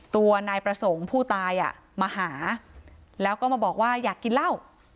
ตัวนายประสงค์ผู้ตายมาหาแล้วก็มาบอกว่าอยากกินเหล้า